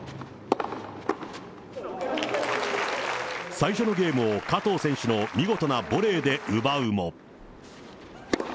最初のゲームを加藤選手の見事なボレーで奪うも。